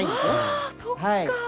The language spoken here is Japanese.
ああそっか！